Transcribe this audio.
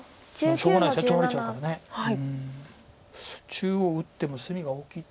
中央打っても隅が大きいって。